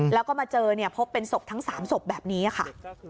แล้วมาเจอพบแสนทั้ง๓สมบแบบนี้ค่ะ